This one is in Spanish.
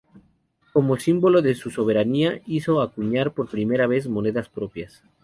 Como símbolo de su soberanía hizo acuñar por primera vez monedas propias.